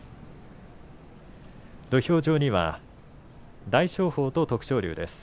土俵上には大翔鵬と徳勝龍です。